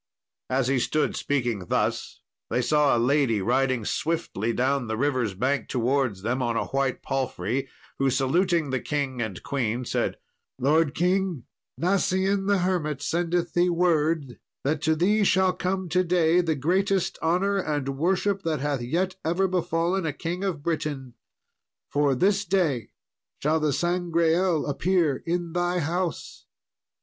As he stood speaking thus, they saw a lady riding swiftly down the river's bank towards them, on a white palfrey; who, saluting the king and queen, said, "Lord king, Nacien the hermit sendeth thee word that to thee shall come to day the greatest honour and worship that hath yet ever befallen a king of Britain; for this day shall the Sangreal appear in thy house."